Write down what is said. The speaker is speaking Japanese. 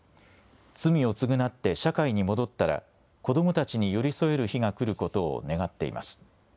罪を償って社会に戻ったら子どもたちに寄り添える日が来ることを願っています。